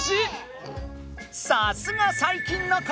さすが最近の子！